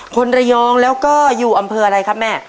คนระยองแล้วก็อยู่อำเภออะไรครับแม่